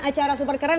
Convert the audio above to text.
acara super keren